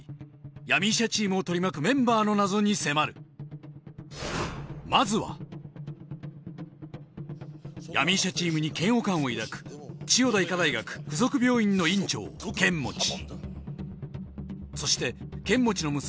闇医者チームを取りまくメンバーの謎に迫るまずは闇医者チームに嫌悪感を抱く千代田医科大学附属病院の院長剣持そして剣持の娘